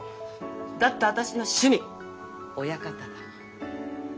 だって私の趣味親方だもん。